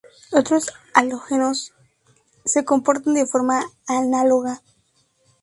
Otros halógenos se comportan de forma análoga.